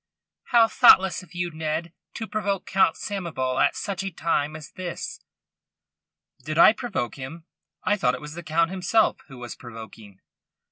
"How thoughtless of you, Ned, to provoke Count Samoval at such a time as this!" "Did I provoke him? I thought it was the Count himself who was provoking."